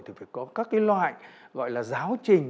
phải có các loại gọi là giáo trình